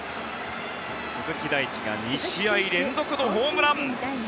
鈴木大地が２試合連続のホームラン。